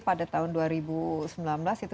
pada tahun dua ribu sembilan belas itu